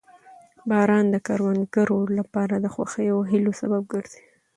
باران د کروندګرو لپاره د خوښۍ او هیلو سبب ګرځي